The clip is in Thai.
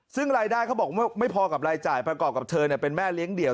ซึ่งรายได้เขาบอกไม่พอกับรายจ่ายประกอบกับเธอเป็นแม่เลี้ยงเดี่ยว